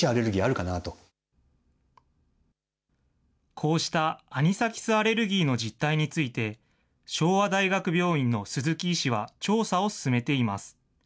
こうしたアニサキスアレルギーの実態について、昭和大学病院の鈴木医師は、調査を進めています。